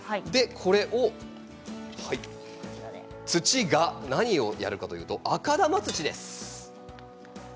これ、土は何を入れるかというと赤玉土です。